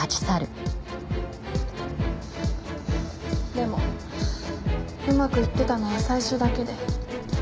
でもうまくいってたのは最初だけで。